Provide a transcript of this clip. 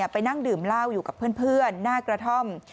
ไปนั่งดื่มเหล้าอยู่กับเพื่อนหน้ากระท่อม